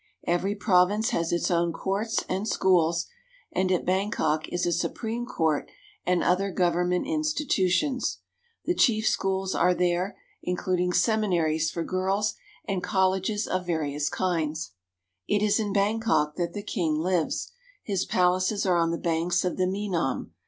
Every province has its own courts and schools, and at Bangkok is a Supreme Court and other government institutions. The chief schools are there, including seminaries for girls and colleges of various kinds. " His palaces are on the banks of the Menam." It is in Bangkok that the king lives. His palaces are on the banks of the Menam.